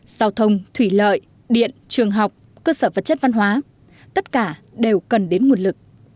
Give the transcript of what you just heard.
giao thông thủy lợi điện trường học cơ sở vật chất văn hóa tất cả đều cần đến nguồn lực